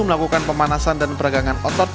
melakukan pemanasan dan peragangan otot